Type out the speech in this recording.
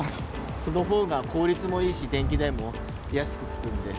そのほうが効率もいいし、電気代も安くつくんで。